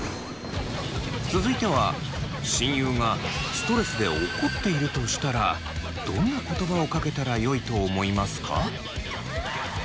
続いては親友がストレスで怒っているとしたらどんな言葉をかけたらよいと思いますか？